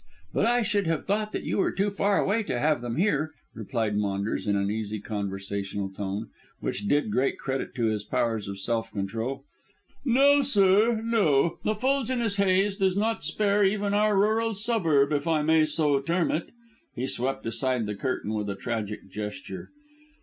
But I should have thought that you were too far away to have them here," replied Maunders in an easy conversational tone, which did great credit to his powers of self control. "No, sir; no. The fuliginous haze does not spare even our rural suburb, if I may so term it." He swept aside the curtain with a tragic gesture.